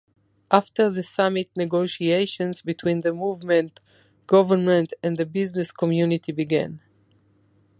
After the summit negotiations between the movement, government, and the business community began.